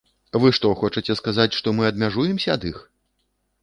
Вы што, хочаце сказаць, што мы адмяжуемся ад іх?